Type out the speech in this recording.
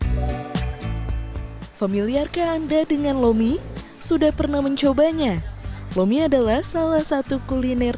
hai familiar ke anda dengan lomi sudah pernah mencobanya lomi adalah salah satu kuliner